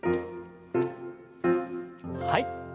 はい。